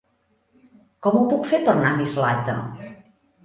Com ho puc fer per anar a Mislata?